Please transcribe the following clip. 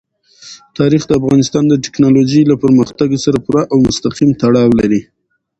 تاریخ د افغانستان د تکنالوژۍ له پرمختګ سره پوره او مستقیم تړاو لري.